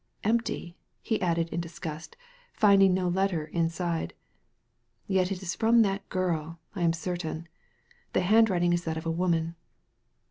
Empty I" he added in disgust, finding no letter in side. " Yet it is from that girl, I am certain. The handwriting is that of a woman.